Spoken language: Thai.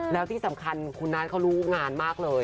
แล้วที่สำคัญคุณนัทเขารู้งานมากเลย